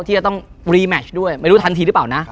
ที่จะต้องรีแมชด้วยไม่รู้ทันทีหรือเปล่านะ